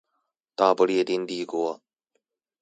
大不列顛帝國